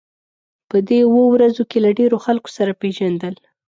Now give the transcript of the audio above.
په دې اوو ورځو کې له ډېرو خلکو سره پېژندل.